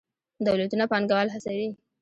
دولتونه پانګوال هڅوي.